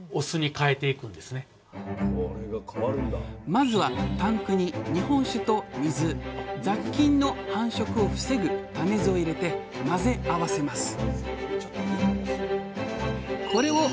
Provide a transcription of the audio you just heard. まずはタンクに日本酒と水雑菌の繁殖を防ぐ種酢を入れて混ぜ合わせます。